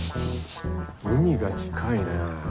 海が近いな。